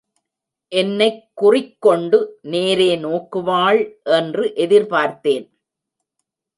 என்னைக் குறிக்கொண்டு நேரே நோக்குவாள் என்று எதிர்பார்த்தேன்.